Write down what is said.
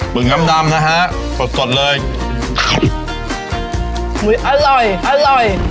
กลุ่นกำดำนะฮะกอดเลยอุ๊ยอร่อยอร่อย